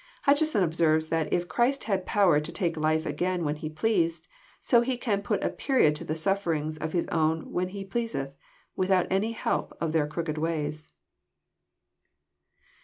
Hutcheson observes that if Christ had power to take lilSo again, when He pleased, <* so He can put a period to the suffer ings of His own when He pleaseth, without any help of their crooked ways."